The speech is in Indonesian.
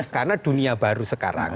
karena dunia baru sekarang